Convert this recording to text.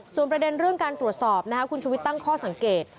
ส่วนประเด็นเรื่องการตรวจสอบคุณชุวิตตั้งข้อสังเกต